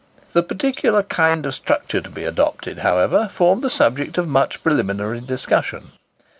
The particular kind of structure to be adopted, however, formed the subject of much preliminary discussion.